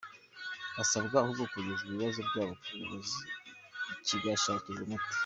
Basabwa ahubwo kigeza ikibazo cyabo ku bayobozi kigashakirwa umuti.